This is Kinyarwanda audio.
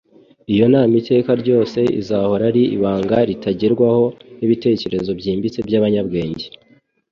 Iyo nama iteka ryose izahora ari ibanga ritagerwaho n'ibitekereze byimbitse by'abanyabwenge.